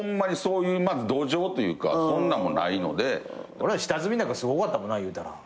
俺ら下積みなんかすごかったもんないうたら。